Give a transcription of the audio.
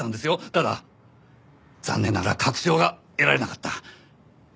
ただ残念ながら確証が得られなかった。